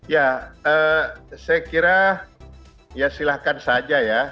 ya saya kira ya silahkan saja ya